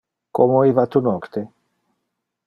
Como iva tu nocte?